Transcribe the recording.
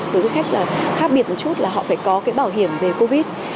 đối với khách là khác biệt một chút là họ phải có cái bảo hiểm về covid